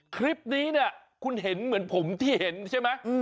คลิปนี้เนี่ยคุณเห็นเหมือนผมที่เห็นใช่ไหม